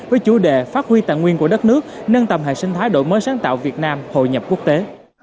với chủ đề phát huy tạng nguyên của đất nước nâng tầm hệ sinh thái đổi mới sáng tạo việt nam hội nhập quốc tế